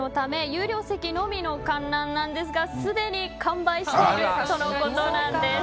有料席のみの観覧なんですがすでに完売しているとのことです。